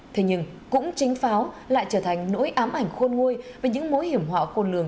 thế nhưng cũng chính pháo lại trở thành nỗi ám ảnh khôn nguôi về những mối hiểm họa khôn lường